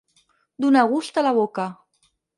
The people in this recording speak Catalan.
Donar gust a la boca.